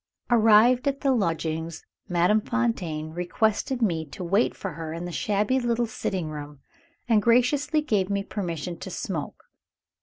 Arrived at the lodgings, Madame Fontaine requested me to wait for her in the shabby little sitting room, and graciously gave me permission to smoke.